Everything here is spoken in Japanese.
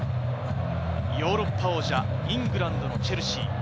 ヨーロッパ王者・イングランドのチェルシー。